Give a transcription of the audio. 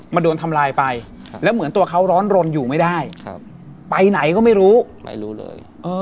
โดนทำลายไปแล้วเหมือนตัวเขาร้อนรนอยู่ไม่ได้ไปไหนก็ไม่รู้ไม่รู้เลย